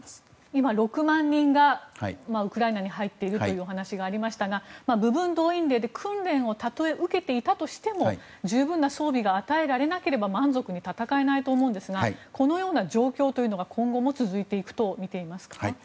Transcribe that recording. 今、６万人がウクライナに入っているというお話がありましたが部分動員令で訓練をたとえ受けていたとしても十分な装備が与えられなければ満足に戦えないと思うんですがこのような状況というのは今後も続いていくとみていますか？